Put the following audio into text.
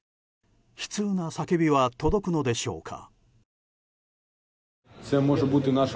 悲痛な叫びは届くのでしょうか。